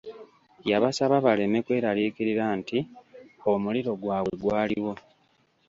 Yabasaba baleme kwerariikirira nti omulimo gwabwe gwaliwo.